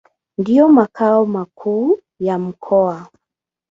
Ndio makao makuu ya mkoa.